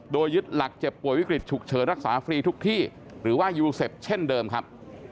โดยยึดหลักเจ็บป่วยวิกฤตฉุกเฉินรักษาฟรีทุกที่หรือว่ายูเซฟเช่นเดิมครับ